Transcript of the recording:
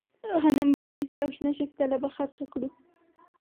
غنم به ډېر شي او شنه شفتله به خرڅه کړو.